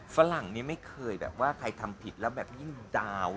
ฝรั่งนี้ไม่เคยแบบว่าใครทำผิดแล้ว